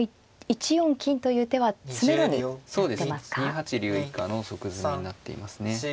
２八竜以下の即詰みになっていますね。